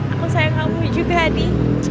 aku sayang kamu juga hadi